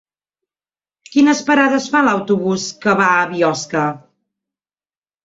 Quines parades fa l'autobús que va a Biosca?